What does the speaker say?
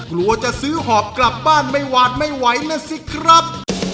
กลัวจะซื้อหอบกลับบ้านไม่หวานไม่ไหวนะสิครับ